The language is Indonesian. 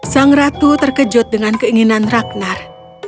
sang ratu terkejut dengan keinginan ragnar